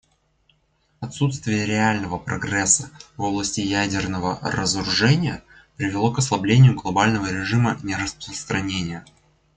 Отсутствие реального прогресса в области ядерного разоружения привело к ослаблению глобального режима нераспространения.